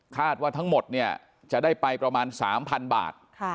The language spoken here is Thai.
คาดว่าทั้งหมดเนี่ยจะได้ไปประมาณ๓๐๐บาท